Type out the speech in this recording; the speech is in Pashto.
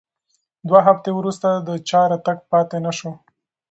دوه هفتې وروسته د چا راتګ پاتې نه شو.